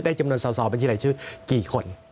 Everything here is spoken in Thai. ได้จำนวนสอสอบัญชีหลายชื่อกี่คน